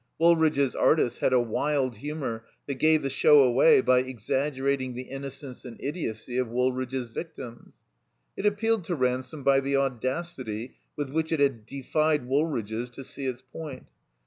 Woolridge's artist had a wild humor that gave the show away by exaggerating the innocence and idiocy of Woolridge's victims. It appealed to Ransome by the audacity with which it had defied Woolridge's to see its point.